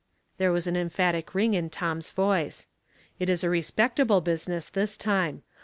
There was an emphatic ring in Tom's voice. " It is a respectable business this time.